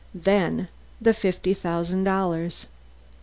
Then the fifty thousand dollars!